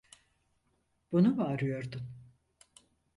Bunu mu arıyordun?